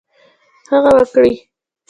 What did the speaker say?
هغه وکړي.